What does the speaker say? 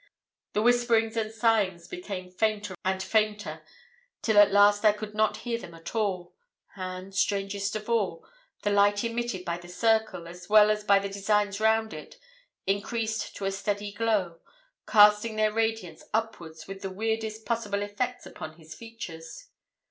The whisperings and sighings became fainter and fainter, till at last I could not hear them at all; and, strangest of all, the light emitted by the circle, as well as by the designs round it, increased to a steady glow, casting their radiance upwards with the weirdest possible effect upon his features.